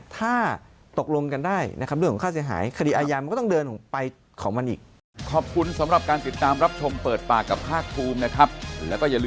ถ้าตกลงกันได้เรื่องของค่าเสียหาย